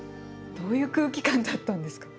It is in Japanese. どういう空気感だったんですか。